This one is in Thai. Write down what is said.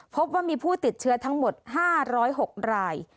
พบว่ามีผู้ติดเชื้อทั้งหมด๕๐๖ราย